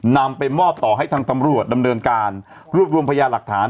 นำไปมอบต่อให้ทางตำรวจดำเนินการรวบรวมพยาหลักฐาน